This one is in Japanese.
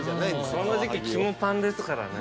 この時期肝パンですからね